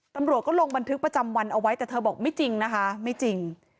ตำรวจก็ลงบันทึกประจำวันเอาไว้แต่เธอบอกไม่จริงนะคะไม่จริง